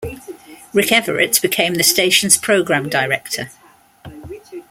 Rick Everett became the station's Program Director.